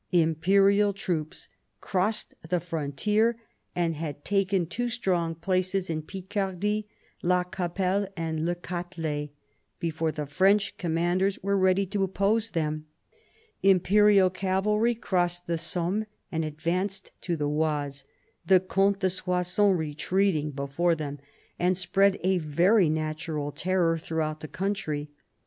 Imperial trOops crossed the frontier, and had taken two strong places in Picardy, La Capelle and Le Catelet, before the French commanders were ready to oppose them. Imperial cavalry crossed the Somme and advanced to the Oise, the Comte de Soissons retreating before them, and spread a very natural terror throughout the country.